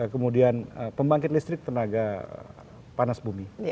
kemudian pembangkit listrik tenaga panas bumi